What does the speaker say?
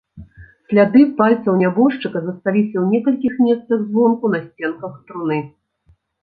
Сляды пальцаў нябожчыка засталіся ў некалькіх месцах звонку на сценках труны.